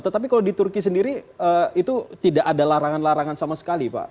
tetapi kalau di turki sendiri itu tidak ada larangan larangan sama sekali pak